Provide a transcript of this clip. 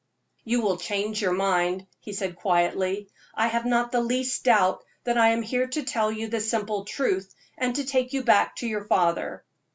"You will change your mind," he said, quietly. "I have not the least doubt that I am here to tell you the simple truth, and to take you back to your father."